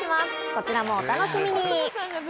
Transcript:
こちらもお楽しみに。